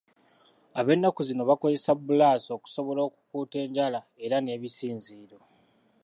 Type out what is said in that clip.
Ab'ennaku zino bakozesa bbulaasi okusobola okukuuta enjala era n'ebisinziiro.